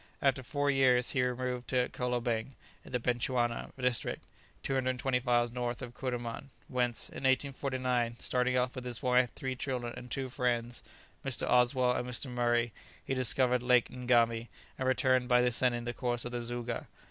After four years he removed to Kolobeng in the Bechuana district, 225 miles north of Kuruman, whence, in 1849, starting off with his wife, three children, and two friends, Mr. Oswell and Mr. Murray, he discovered Lake Ngami, and returned by descending the course of the Zouga.